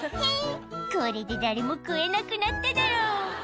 「これで誰も食えなくなっただろ」